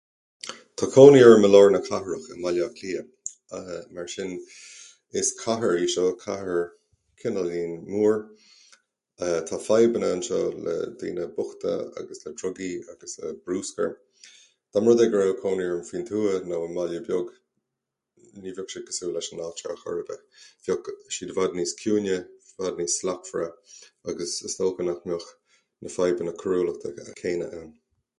Tá conaí orm i lár na cathrach, i mBaile Átha Cliath, aah, mar sin is cathair í seo, cathair cineáilín mór. Uh Tá fadhbanna anseo le daoine bochta, agus le drugaí agus le bruscar. Da mba rud é go raibh cónaí orm faoin tuath nó i mbaile beag, ní bheadh sé cosúil leis an áit seo ar chor ar bith. Bheadh siad i bhfad níos ciúine, i bhfad níos slachtmhara, agus is dócha nach mbeadh na fadhbanna cóiriúlachta céanna ann.